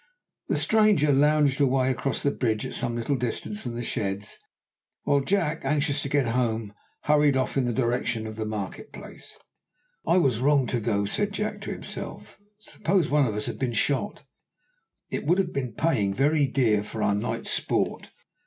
The stranger lounged away across the bridge at some little distance from the sheds, while Jack, anxious to get home, hurried off in the direction of the market place. "I was wrong to go," said Jack to himself. "Suppose one of us had been shot, it would have been paying very dear for our night's sport.